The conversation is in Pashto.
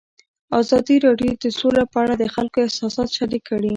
ازادي راډیو د سوله په اړه د خلکو احساسات شریک کړي.